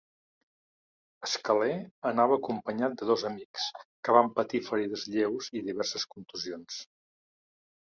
Escalé anava acompanyat de dos amics que van patir ferides lleus i diverses contusions.